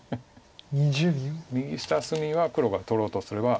右下隅は黒が取ろうとすれば。